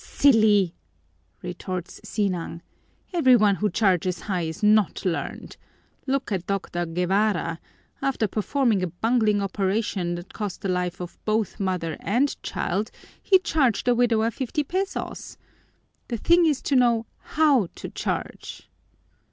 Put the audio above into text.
"Silly!" retorts Sinang. "Every one who charges high is not learned. Look at Dr. Guevara; after performing a bungling operation that cost the life of both mother and child, he charged the widower fifty pesos. The thing to know is how to charge!"